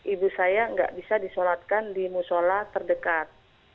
ibu saya nggak bisa disolatkan di musola terdekat